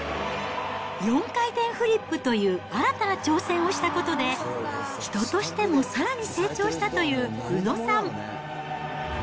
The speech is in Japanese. ４回転フリップという新たな挑戦をしたことで、人としてもさらに成長したという宇野さん。